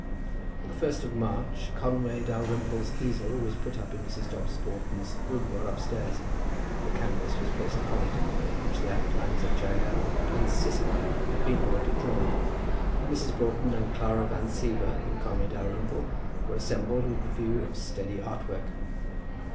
On the first of March, Conway Dalrymple's easel was put up in Mrs. Dobbs Broughton's boudoir upstairs, the canvas was placed upon it on which the outlines of Jael and Sisera had been already drawn, and Mrs. Broughton and Clara Van Siever and Conway Dalrymple were assembled with the view of steady art work.